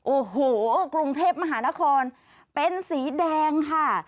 โอ้โหกรุงเทพมหานครเป็นสีแดงค่ะ